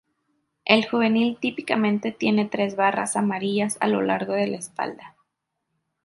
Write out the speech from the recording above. El juvenil típicamente tiene tres barras amarillas a lo largo de la espalda.